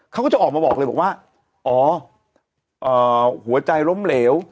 เขาก็จะออกมาบอกเลยบอกว่าอ๋อหัวใจล้มเหลว